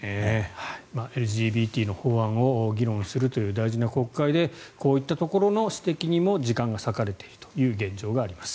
ＬＧＢＴの法案を議論するという大事な国会でこういったところの指摘にも時間が割かれているという現状があります。